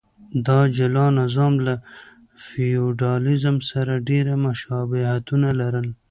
دا جلا نظام له فیوډالېزم سره ډېر مشابهتونه لرل.